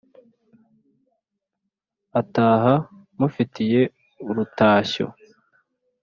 ataha mufitiye urutashyo